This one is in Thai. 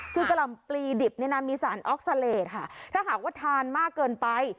คือกะหล่ำปลีดิบเนี่ยนะมีสารออกซาเลสค่ะถ้าหากว่าทานมากเกินไป